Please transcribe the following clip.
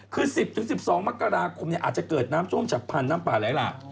คือ๑๐๑๒มกราคมอาจจะเกิดน้ำท่วมฉับพันธ์น้ำป่าไหลหลาก